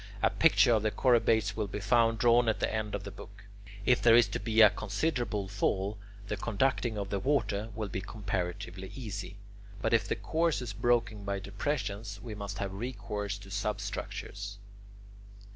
A picture of the chorobates will be found drawn at the end of the book. If there is to be a considerable fall, the conducting of the water will be comparatively easy. But if the course is broken by depressions, we must have recourse to substructures.